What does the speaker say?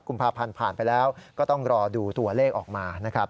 กุมภาพันธ์ผ่านไปแล้วก็ต้องรอดูตัวเลขออกมานะครับ